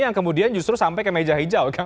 yang kemudian justru sampai ke meja hijau kak asep